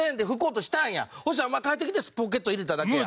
そしたらお前帰ってきてポケット入れただけや。